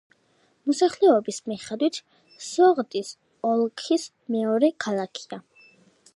მოსახლეობის მიხედვით სოღდის ოლქის მეორე ქალაქია.